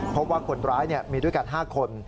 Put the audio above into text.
พบว่าคนร้ายมีด้วยกัน๕คน